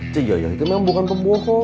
ceyoyoh itu memang bukan pembohong